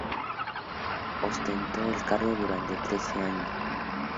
Ostentó el cargo durante trece años.